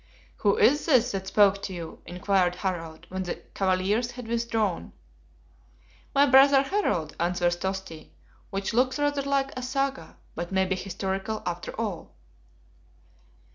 "Who is this that spoke to you?" inquired Harald, when the cavaliers had withdrawn. "My brother Harold," answers Tosti; which looks rather like a Saga, but may be historical after all.